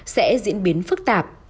sẽ diễn biến phức tạp